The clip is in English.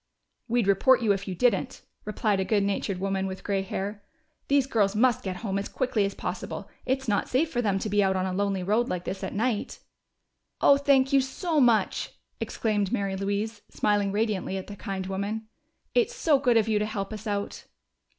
"We'd report you if you didn't," replied a good natured woman with gray hair. "These girls must get home as quickly as possible. It's not safe for them to be out on a lonely road like this at night." "Oh, thank you so much!" exclaimed Mary Louise, smiling radiantly at the kind woman. "It's so good of you to help us out."